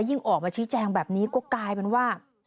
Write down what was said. ออกมาชี้แจงแบบนี้ก็กลายเป็นว่า